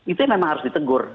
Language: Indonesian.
itu yang memang harus ditegur